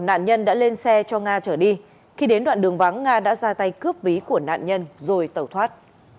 nạn nhân đã lên xe cho nga trở đi khi đến đoạn đường vắng nga đã ra tay cướp ví của nạn nhân rồi tẩu thoát